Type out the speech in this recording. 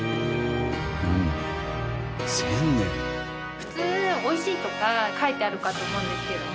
普通「美味しい」とか書いてあるかと思うんですけれども。